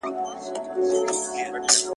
انسان پرته له خوبه سم فعالیت نه شي کولی.